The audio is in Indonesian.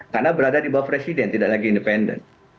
karena berada di bawah presiden tidak lagi independen